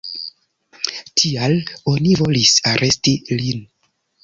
Tial oni volis aresti lin.